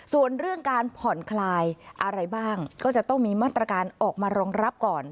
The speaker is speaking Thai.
ส่วนเรื่องการผ่อนคลายอะไรบ้างก็จะต้องมีมาตรการออกมารองรับก่อน